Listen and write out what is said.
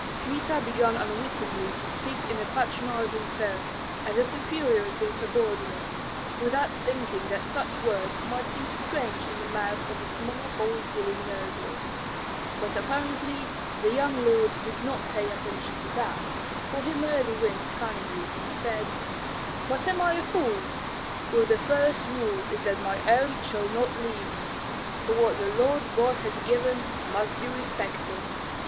Kmita began unwittingly to speak in a patronizing tone, as a superior to a subordinate, without thinking that such words might seem strange in the mouth of a small horse dealing noble; but apparently the young lord did not pay attention to that, for he merely winked cunningly and said, "But am I a fool? With me the first rule is that my own shall not leave me, for what the Lord God has given must be respected.